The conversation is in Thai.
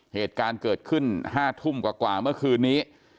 เหตุการณ์เกิดขึ้น๕ทุ่มกว่าเมื่อคืนนี้